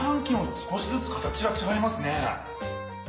少しずつ形がちがいますね。